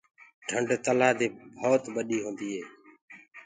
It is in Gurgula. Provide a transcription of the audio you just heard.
ڍنڊ تلآه دي ڀڏي هوندي هي۔